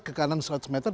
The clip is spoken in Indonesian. ke kanan seratus meter